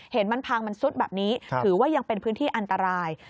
เห็นมันพังมันซุดแบบนี้ถือว่ายังเป็นพื้นที่อันตราย